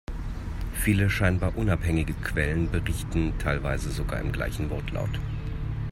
Viele scheinbar unabhängige Quellen, berichten teilweise sogar im gleichen Wortlaut.